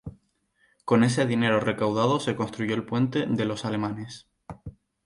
Con ese dinero recaudado se construyó el Puente de los Alemanes.